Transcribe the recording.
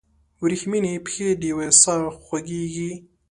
وریښمینې پښې دیوې ساه خوږیږي